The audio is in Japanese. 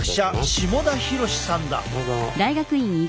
下田浩さんだ。